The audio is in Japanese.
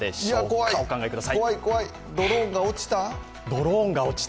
怖い、怖い、ドローンが落ちた？